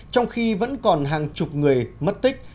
trong khi vẫn còn hàng chục người mất tích